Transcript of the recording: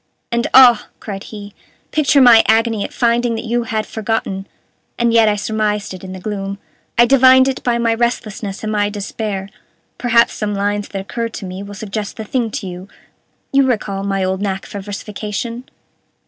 "And, ah!" cried he, "picture my agony at finding that you had forgotten. And yet I surmised it in the gloom. I divined it by my restlessness and my despair. Perhaps some lines that occurred to me will suggest the thing to you you recall my old knack for versification?